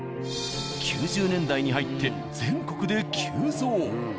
９０年代に入って全国で急増。